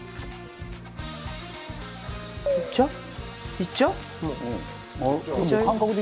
いっちゃうよ。